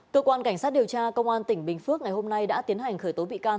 cơ quan cảnh sát điều tra công an tỉnh bình phước ngày hôm nay đã tiến hành khởi tố bị can